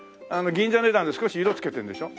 銀座値段で少し色つけてるんでしょ？